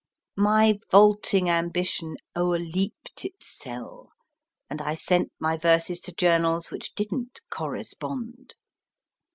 My vaulting ambition o erleaped its selle, and I sent my verses to journals which didn t correspond.